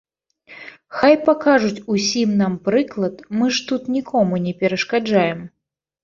Хай пакажуць усім нам прыклад, мы ж тут нікому не перашкаджаем.